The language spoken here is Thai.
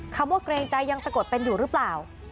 คำว่าเกรงใจยังสะกดเป็นอยู่หรือเปล่า